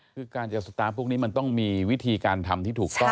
คือการจะสตาร์ฟพวกนี้มันต้องมีวิธีการทำที่ถูกต้อง